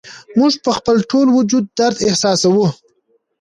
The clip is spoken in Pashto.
موږ په خپل ټول وجود درد احساسوو